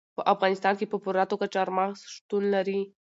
په افغانستان کې په پوره توګه چار مغز شتون لري.